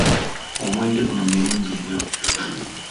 Omwenge guno mulungi nnyo.